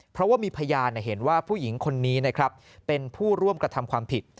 เพราะว่ามีพยานเห็นว่าผู้หญิงคนนี้นะครับเป็นผู้ร่วมกระทำความผิด